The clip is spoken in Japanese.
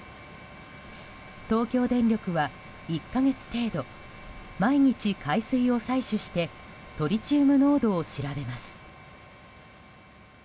東京電力は１か月程度毎日海水を採取してトリチウム濃度を調べます。